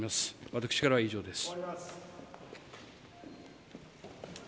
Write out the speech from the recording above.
私からは以上です。